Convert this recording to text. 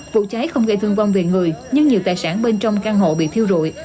vụ cháy không gây thương vong về người nhưng nhiều tài sản bên trong căn hộ bị thiêu rụi